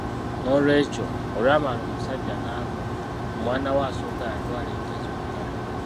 N'olwekyo, olwamala omusajja n'afa, omwana we asooka yatwala ente zonna.